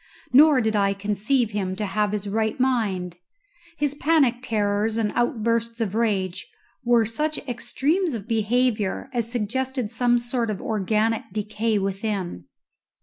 Nor did I conceive him to have his right mind. His panic terrors and outbursts of rage were such extremes of behaviour as suggested some sort of organic decay within.